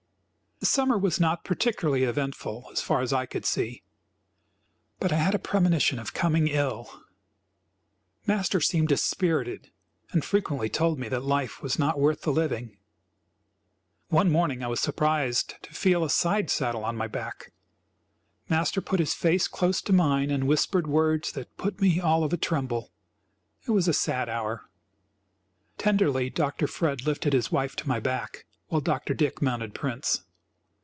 The summer was not particularly eventful, so far as I could see, but I had a premonition of coming ill. Master seemed dispirited, and frequently told me that life was not worth the living. One morning I was surprised to feel a side saddle on my back. Master put his face close to mine and whispered words that put me all of a tremble; it was a sad hour. Tenderly Dr. Fred lifted his wife to my back, while Dr. Dick mounted Prince.